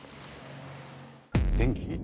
電気？